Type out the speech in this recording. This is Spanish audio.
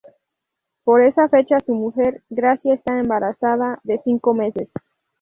Por esa fecha, su mujer, Gracia está embarazada de cinco meses.